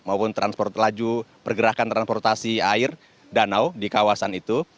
maupun transport laju pergerakan transportasi air danau di kawasan itu